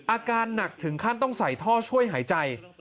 อาการหนักถึงขั้นต้องใส่ท่อช่วยหายใจ